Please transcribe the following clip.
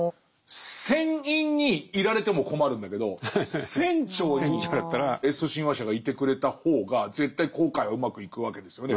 船員にいられても困るんだけど船長にＳ親和者がいてくれた方が絶対航海はうまくいくわけですよね。